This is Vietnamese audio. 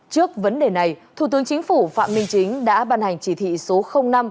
trước vấn đề này thủ tướng chính phủ phạm minh chính đã ban hành chỉ thị số năm